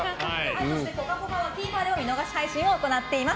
そして「ぽかぽか」はＴＶｅｒで見逃し配信を行っています。